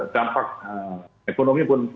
dampak ekonomi pun